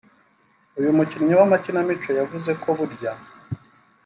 uyu mukinnyi w’amakinamico yavuze ko burya